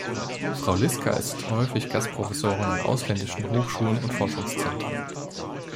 Frau Liska ist häufig Gastprofessorin an ausländischen Hochschulen und Forschungszentren.